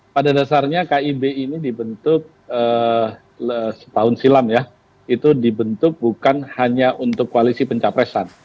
pada dasarnya kib ini dibentuk setahun silam ya itu dibentuk bukan hanya untuk koalisi pencapresan